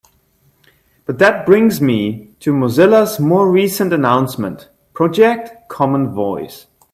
But that brings me to Mozilla's more recent announcement: Project Common Voice.